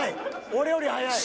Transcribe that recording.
俺より早い。